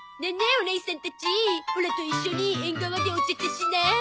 おねいさんたちオラと一緒に縁側でお茶々しない？